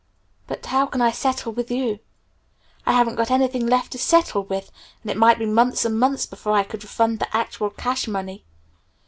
But how can I settle with you? I haven't got anything left to settle with, and it might be months and months before I could refund the actual cash money.